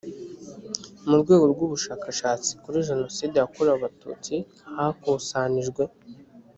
mu rwego rw ubushakashatsi kuri jenoside yakorewe abatutsi hakusanijwe